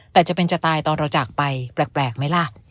แต่จะเป็นจะตายตอนเราจากไปแปลกไหมล่ะ